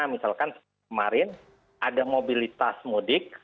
misalkan kemarin ada mobilitas mudik